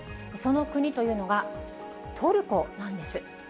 その国というのが、トルコなんです。